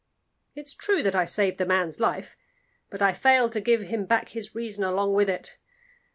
It's true that I saved the man's life, but I failed to give him back his reason along with it.